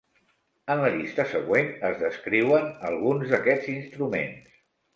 En la llista següent es descriuen alguns d'aquests instruments.